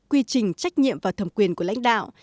quy trình trách nhiệm và thẩm quyền của lãnh đạo